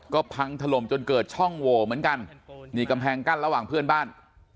ก็พังถล่มจนเกิดช่องโหวเหมือนกันนี่กำแพงกั้นระหว่างเพื่อนบ้าน